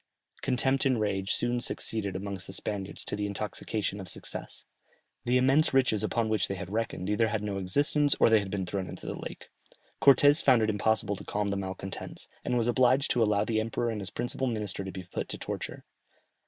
Contempt and rage soon succeeded amongst the Spaniards to the intoxication of success; the immense riches upon which they had reckoned either had no existence, or they had been thrown into the lake. Cortès found it impossible to calm the malcontents, and was obliged to allow the emperor and his principal minister to be put to the torture.